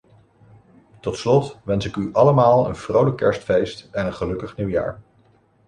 Tot slot wens ik u allemaal een vrolijk kerstfeest en een gelukkig nieuwjaar.